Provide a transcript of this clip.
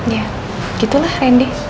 ya gitu lah rani